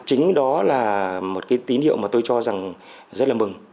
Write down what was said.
chính đó là một cái tín hiệu mà tôi cho rằng rất là mừng